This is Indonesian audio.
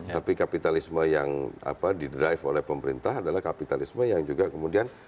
tapi kapitalisme yang didrive oleh pemerintah adalah kapitalisme yang juga kemudian